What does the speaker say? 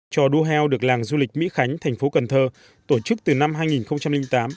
trò đua heo được làng du lịch mỹ khánh thành phố cần thơ tổ chức từ năm hai nghìn tám